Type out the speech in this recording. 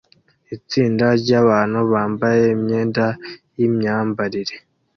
Itsinda ryabantu bambaye imyenda yimyambarire